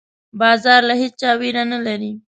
باز له هېچا ویره نه لري